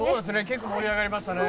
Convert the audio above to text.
結構盛り上がりましたね。